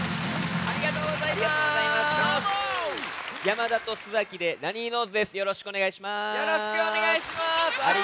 ありがとうございます。